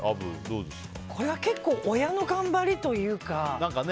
これは親の頑張りというか。